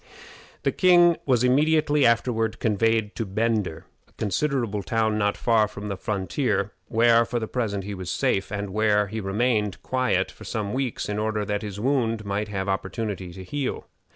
The king was immediately afterward conveyed to Bender, a considerable town not far from the frontier, where, for the present, he was safe, and where he remained quiet for some weeks, in order that his wound might have opportunity to heal.